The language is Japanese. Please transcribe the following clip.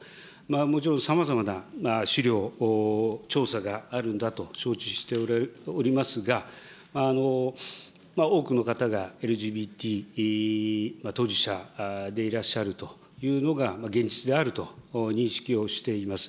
もちろんさまざまな資料、調査があるんだと承知しておりますが、多くの方がＬＧＢＴ当事者でいらっしゃるというのが現実であると認識をしております。